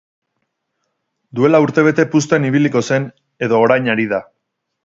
Duela urtebete puzten ibiliko zen, edo orain ari da.